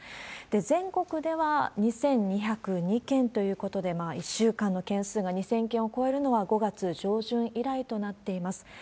全国では２２０２件ということで、１週間の件数が２０００件を超えるのは５月上旬以来となっています。